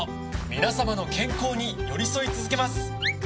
皆さまの健康に寄り添い続けます。